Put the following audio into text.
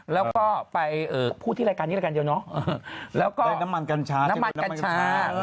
แล้วก็ไปพูดที่รายการนี้รายการเดียวเนาะแล้วก็น้ำมันกัญชาน้ำมันกัญชา